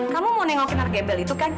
kamu mau nengokin anak gembel itu kan